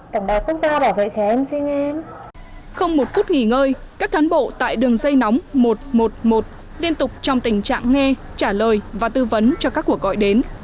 không một phút nghỉ ngơi các thán bộ tại đường dây nóng một trăm một mươi một liên tục trong tình trạng nghe trả lời và tư vấn cho các cuộc gọi đến